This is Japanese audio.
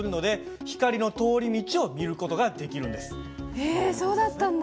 へえそうだったんだ！